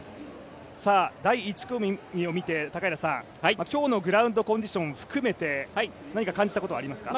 第１組を見て、今日のグラウンドコンディション含めて何か感じたことはありますか？